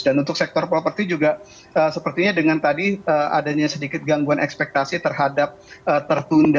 dan untuk sektor properti juga sepertinya dengan tadi adanya sedikit gangguan ekspektasi terhadap tertunda